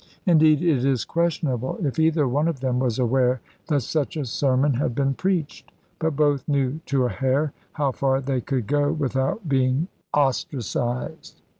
Indeed, it is questionable if either one of them was aware that such a sermon had been preached; but both knew to a hair how far they could go without being ostracised.